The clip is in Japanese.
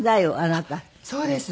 そうです。